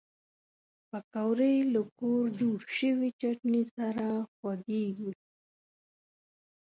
پکورې له کور جوړ شوي چټني سره خوږېږي